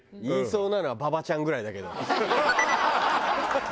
言いそうなのは馬場ちゃんぐらいだけど。